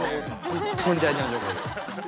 ◆本当に大事な情報です。